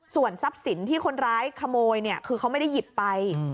ส่วนทรัพย์สินที่คนร้ายขโมยเนี่ยคือเขาไม่ได้หยิบไป